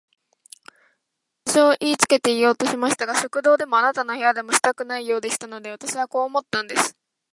あなたはしきりに用事をいいつけようとされましたが、食堂でもあなたの部屋でもしたくないようでしたので、私はこう思ったんです。